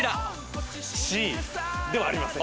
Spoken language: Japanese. Ｃではありません。